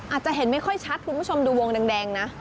อาจจะเห็นไม่ค่อยชัดคุณผู้ชมดูวงแดงนะ